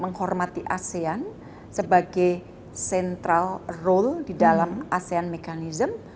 menghormati asean sebagai central role di dalam asean mechanism